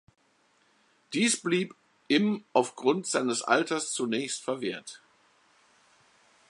Dies blieb im aufgrund seines Alters zunächst verwehrt.